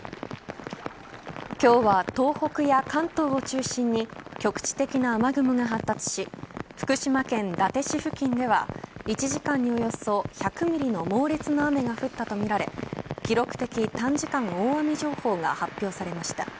今日は東北や関東を中心に局地的な雨雲が発達し福島県伊達市付近では１時間におよそ１００ミリの猛烈な雨が降ったとみられ記録的短時間大雨情報が発表されました。